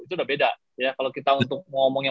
itu udah beda kalo kita ngomongnya